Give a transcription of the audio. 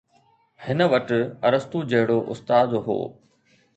هن وٽ ارسطو جهڙو استاد هو